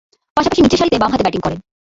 পাশাপাশি নিচের সারিতে বামহাতে ব্যাটিং করেন।